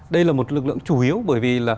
đây là một lực lượng chủ yếu bởi vì